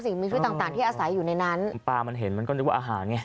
ปลามันเห็นมันก็สามารถเรียกว่าอาหารไง